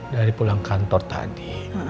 dari pulang kantor tadi